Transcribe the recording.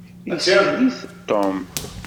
Isekles-it Tom.